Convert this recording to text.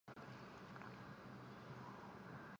她与同为浙江选手的叶诗文是好友。